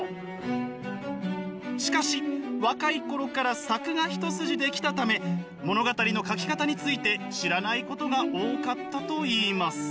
しかし若い頃から作画一筋で来たため物語の書き方について知らないことが多かったといいます。